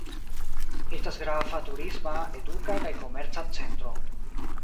Estas grava turisma, eduka kaj komerca centro.